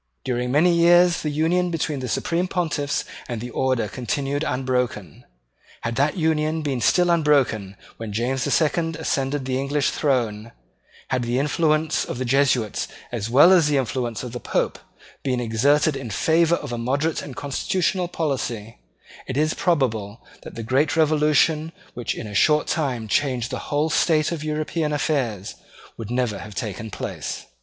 During many years the union between the Supreme Pontiffs and the Order had continued unbroken. Had that union been still unbroken when James the Second ascended the English throne, had the influence of the Jesuits as well as the influence of the Pope been exerted in favour of a moderate and constitutional policy, it is probable that the great revolution which in a short time changed the whole state of European affairs would never have taken place.